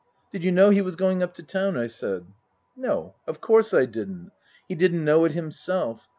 " Did you know he was going up to town ?" I said. " No, of course I didn't. He didn't know it himself.